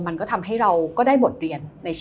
มันก็ทำให้เราก็ได้บทเรียน